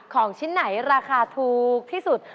ของชิ้นไหนราคาถูกที่สุด